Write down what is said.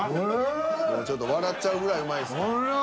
ちょっと笑っちゃうぐらいうまいですか。